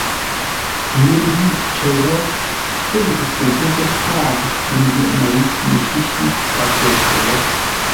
Məmbî cər wó ə́ ndu popó pə́ sáa məmbyeʼ měi mi shíshí kwatə cər wó.